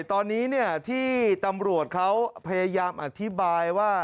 ตอนนี้ที่ตำรวจเขาพยายามอธิบายว่า